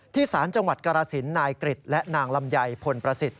สารจังหวัดกรสินนายกริจและนางลำไยพลประสิทธิ